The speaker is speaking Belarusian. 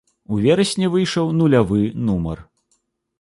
У верасні выйшаў нулявы нумар.